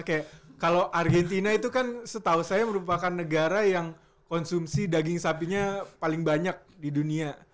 kayak kalau argentina itu kan setahu saya merupakan negara yang konsumsi daging sapinya paling banyak di dunia